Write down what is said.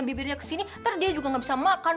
bibirnya ke sini nanti dia juga enggak bisa makan